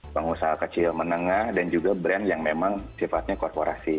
pengusaha kecil menengah dan juga brand yang memang sifatnya korporasi